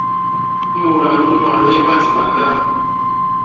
Mudaa nunu a hééba dibanda.